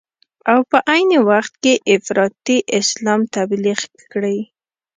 او په عین وخت کې افراطي اسلام تبلیغ کړي.